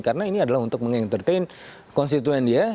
karena ini adalah untuk menge entertain konstituen dia